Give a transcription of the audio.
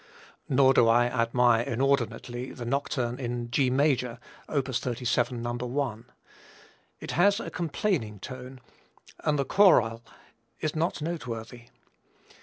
Nor do I admire inordinately the Nocturne in G minor, op. 37, No. 1. It has a complaining tone, and the choral is not noteworthy.